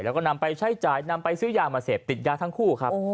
แล้วก็นำไปใช้จ่ายนำไปซื้อยามาเสพติดยาทั้งคู่ครับ